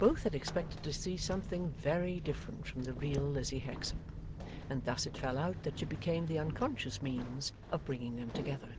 Both had expected to see something very different from the real Lizzie Hexam, and thus it fell out that she became the unconscious means of bringing them together.